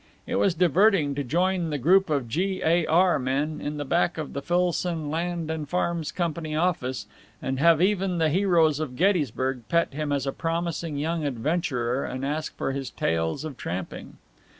It was diverting to join the little group of G. A. R. men in the back of the Filson Land and Farms Company office, and have even the heroes of Gettysburg pet him as a promising young adventurer and ask for his tales of tramping.